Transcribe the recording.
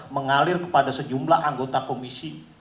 mengalir kepada sejumlah anggota komisi